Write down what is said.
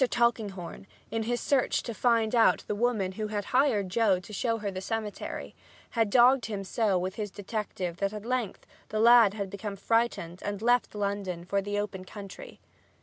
Tulkinghorn, in his search to find out the woman who had hired Joe to show her the cemetery, had dogged him so with his detective that at length the lad had become frightened and left London for the open country.